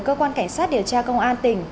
cơ quan cảnh sát điều tra công an tỉnh